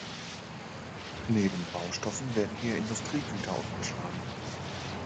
Neben Baustoffen werden hier Industriegüter umgeschlagen.